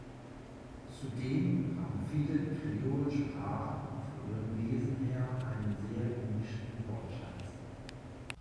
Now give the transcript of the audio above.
Zudem haben viele Kreolsprachen von ihrem Wesen her einen sehr gemischten Wortschatz.